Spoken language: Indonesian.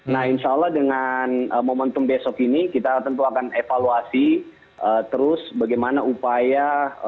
nah insya allah dengan momentum besok ini kita tentu akan evaluasi terus bagaimana upaya